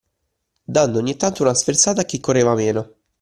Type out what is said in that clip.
Dando ogni tanto una sferzata a chi correva meno.